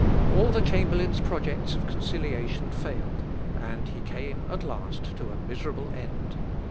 All the chamberlain's projects of conciliation failed, and he came at last to a miserable end.